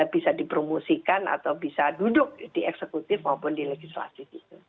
bisa dipromosikan atau bisa duduk di eksekutif maupun di legislatif